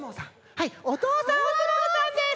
はいおとうさんおすもうさんです。